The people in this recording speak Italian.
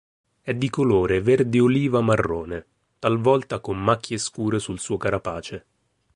È di colore verde oliva-marrone, talvolta con macchie scure sul suo carapace.